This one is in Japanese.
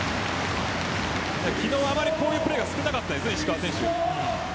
昨日はあまりこういったプレーが少なかった石川選手です。